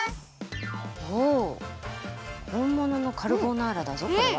おほんもののカルボナーラだぞこれは。